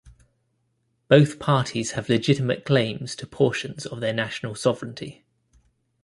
Both parties have legitimate claims to portions of their national sovereignty.